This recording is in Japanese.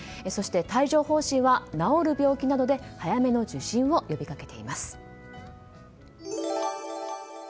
そして、帯状疱疹は治る病気なので早目の受診を呼び掛けています。